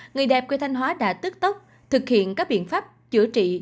người đẹp quê thanh hóa đã tức tốc thực hiện các biện pháp chữa trị